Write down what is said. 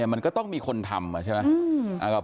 มันก็ต้องมีคนทำใช่ไหม